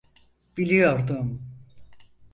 Biliyordum!